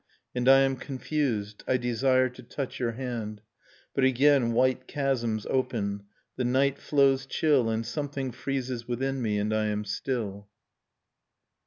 . And I am confused, I desire to touch your hand, But again white chasms open, the night flows chill, And something freezes within me, and I am still.